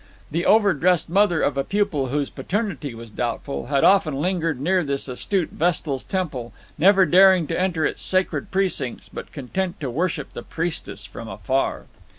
The overdressed mother of a pupil whose paternity was doubtful had often lingered near this astute Vestal's temple, never daring to enter its sacred precincts, but content to worship the priestess from afar.